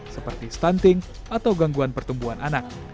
seperti stunting atau gangguan pertumbuhan anak